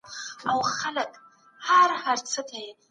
د انسانانو پېر او پلور سخت جرم دی.